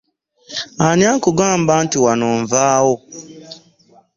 Ani akugamba nti wano nvaawo?